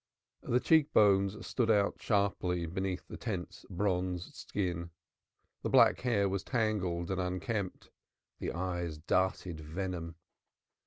The cheekbones stood out sharply beneath the tense bronzed skin. The black hair was tangled and unkempt and the beard untrimmed, the eyes darted venom.